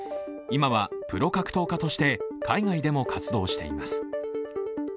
今はプロ格闘家として海外でも活動しています。